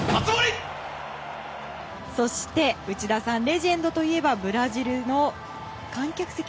そしてレジェンドといえばブラジルの観客席。